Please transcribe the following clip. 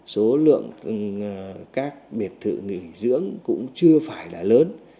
số lượng các biệt thự nghỉ dưỡng cũng chưa phải là lớn